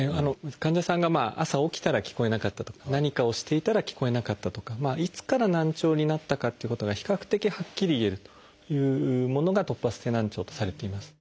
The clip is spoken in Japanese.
患者さんが朝起きたら聞こえなかったとか何かをしていたら聞こえなかったとかいつから難聴になったかっていうことが比較的はっきり言えるというものが突発性難聴とされています。